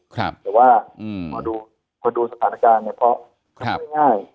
แต่ว่าพอดูสถานการณ์เนี่ยเพราะไม่ค่อยง่าย